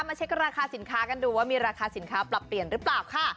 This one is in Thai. เช็คราคาสินค้ากันดูว่ามีราคาสินค้าปรับเปลี่ยนหรือเปล่าค่ะ